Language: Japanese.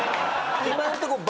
今のところ。